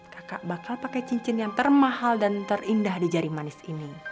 kakak bakal pakai cincin yang termahal dan terindah di jari manis ini